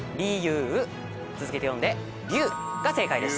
「う」続けて読んで「りゅう」が正解です。